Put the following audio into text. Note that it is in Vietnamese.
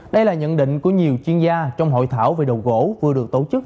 đây là nhận định của nhiều chuyên gia trong hội thảo về đồ gỗ vừa được tổ chức